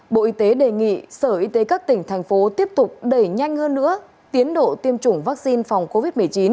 bộ y tế đề nghị sở y tế các tỉnh thành phố tiếp tục đẩy nhanh hơn nữa tiến độ tiêm chủng vaccine phòng covid một mươi chín